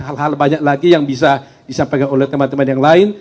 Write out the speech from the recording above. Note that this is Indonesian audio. hal hal banyak lagi yang bisa disampaikan oleh teman teman yang lain